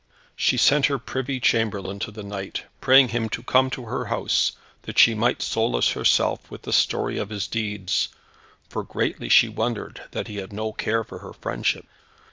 She sent her privy chamberlain to the knight, praying him to come to her house, that she might solace herself with the story of his deeds, for greatly she wondered that he had no care for her friendship.